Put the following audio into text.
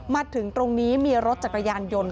มาถึงตรงนี้มีรถจักรยานยนต์